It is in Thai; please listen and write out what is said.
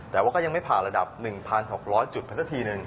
แต่ว่าก็ยังไม่ผ่านระดับ๑๖๐๐จุดไปสักทีหนึ่ง